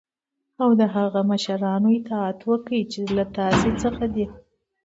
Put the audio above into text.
او د هغه مشرانو اطاعت وکړی چی له تاسی څخه دی .